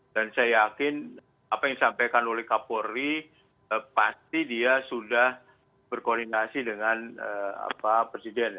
dan saya yakin apa yang disampaikan oleh kapolri pasti dia sudah berkoordinasi dengan presiden